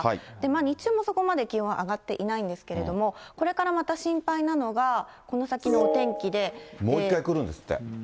日中もそこまで気温上がっていないんですけれども、これからまた心配なのが、この先のお天気で。